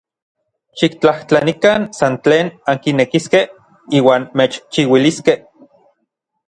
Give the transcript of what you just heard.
Xiktlajtlanikan san tlen ankinekiskej, iuan mechchiuiliskej.